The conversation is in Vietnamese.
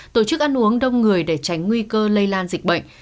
tổ chức ăn uống đông người để tránh nguy cơ lây lan dịch bệnh